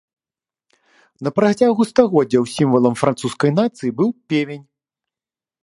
На працягу стагоддзяў сімвалам французскай нацыі быў певень.